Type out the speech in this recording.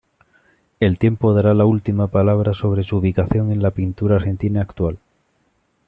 El tiempo dará la última palabra sobre su ubicación en la pintura argentina actual.